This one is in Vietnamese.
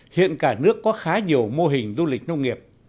hiện cả nước có khá nhiều mô hình du lịch nông nghiệp